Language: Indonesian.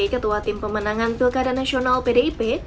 ketua tim pemenangan pilkada nasional pdip